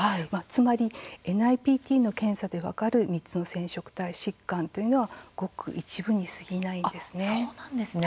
つまり、ＮＩＰＴの検査で分かる３つの染色体疾患というのはごく一部にすぎないんですね。